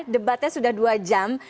debatnya sudah dua jam